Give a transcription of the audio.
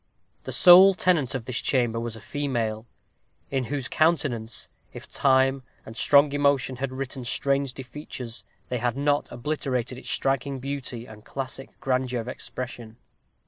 The sole tenant of this chamber was a female, in whose countenance, if time and strong emotion had written strange defeatures, they had not obliterated its striking beauty and classical grandeur of expression.